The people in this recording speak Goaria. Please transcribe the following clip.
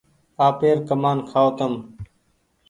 آپير ڪمآن کآئو تم